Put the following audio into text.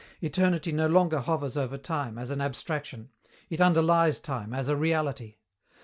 Eternity no longer hovers over time, as an abstraction; it underlies time, as a reality.